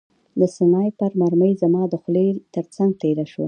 د سنایپر مرمۍ زما د خولۍ ترڅنګ تېره شوه